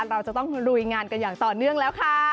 เราจะต้องลุยงานกันอย่างต่อเนื่องแล้วค่ะ